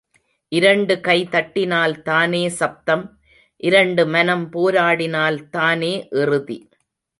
இரண்டு கைதட்டினால் தானே சப்தம் இரண்டு மனம் போராடினால் தானே இறுதி.